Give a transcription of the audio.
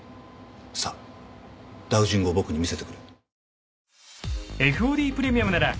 さあダウジングを僕に見せてくれ。